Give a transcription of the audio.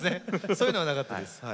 そういうのはなかったです。